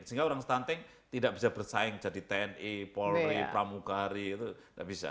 sehingga orang stunting tidak bisa bersaing jadi tni polri pramukari itu tidak bisa